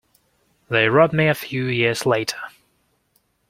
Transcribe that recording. They robbed me a few years later.